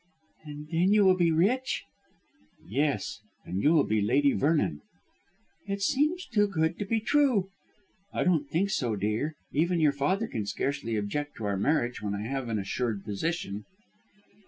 "And then you will be rich?" "Yes; and you will be Lady Vernon." "It seems too good to be true." "I don't think so, dear. Even your father can scarcely object to our marriage when I have an assured position."